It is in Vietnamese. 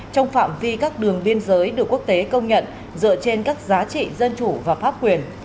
trong phạm vi các đường biên giới được quốc tế công nhận dựa trên các giá trị dân chủ và pháp quyền